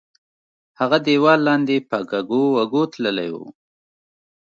هغه دیوال لاندې په کږو وږو تللی وو.